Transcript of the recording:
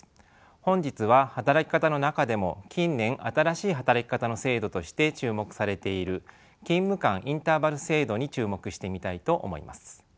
本日は働き方の中でも近年新しい働き方の制度として注目されている勤務間インターバル制度に注目してみたいと思います。